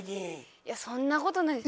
いやそんなことないです。